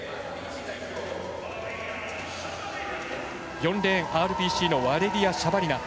４レーンＲＰＣのワレリヤ・シャバリナ。